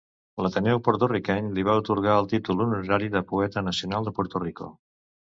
L'Ateneu Porto-riqueny li va atorgar el títol honorari de poeta nacional de Puerto Rico.